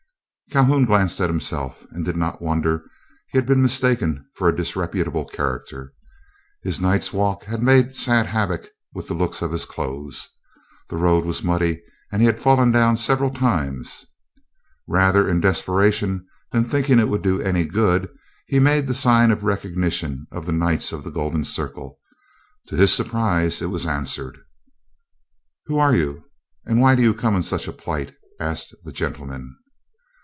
Calhoun glanced at himself, and did not wonder he had been mistaken for a disreputable character. His night's walk had made sad havoc with the looks of his clothes. The road was muddy, and he had fallen down several times. Rather in desperation than thinking it would do any good, he made the sign of recognition of the Knights of the Golden Circle. To his surprise it was answered. "Who are you? and why do you come in such a plight?" asked the gentleman.